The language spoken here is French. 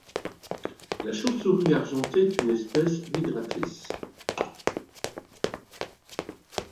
La chauve-souris argentée est une espèce migratrice.